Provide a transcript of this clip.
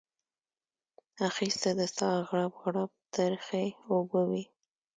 اخیسته د ساه غړپ غړپ ترخې اوبه وې